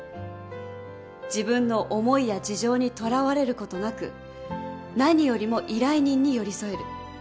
自分の思いや事情にとらわれることなく何よりも依頼人に寄り添える。